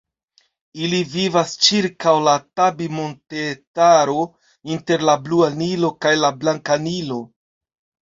Ili vivas ĉirkaŭ la Tabi-montetaro, inter la Blua Nilo kaj la Blanka Nilo.